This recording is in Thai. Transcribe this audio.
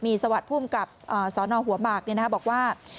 มีสวัสดิ์ภูมิกับสนหัวหมากบอกว่า